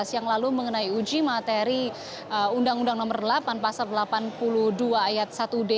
yang lalu mengenai uji materi undang undang nomor delapan pasal delapan puluh dua ayat satu d